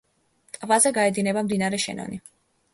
ტბაზე გაედინება მდინარე შენონი.